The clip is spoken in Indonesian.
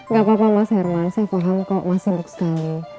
gak apa apa mas herman saya paham kok mas sibuk sekali